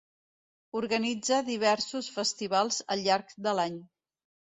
Organitza diversos festivals al llarg de l'any.